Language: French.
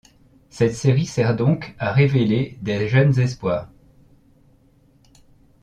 Cette série sert donc à révéler des jeunes espoirs.